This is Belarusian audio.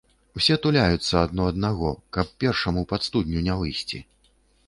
Усё туляюцца адно аднаго, каб першаму пад студню не выйсці.